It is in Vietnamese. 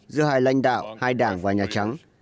giữa hai lãnh đạo hai đảng và nhà trắng